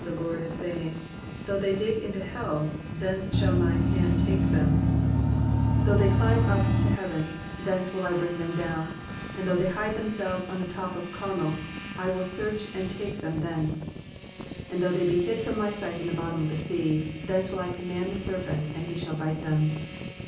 the Lord as saying, "Though they dig into hell, thence shall mine hand take them ; though they climb up to heaven, thence will 1 bring them down : and though they hide themselves in the top of Carmel, I will search and take them out thence ; and though they be hid from my sight in the bottom of the sea, thence will I command the serpent, and he shall bite them."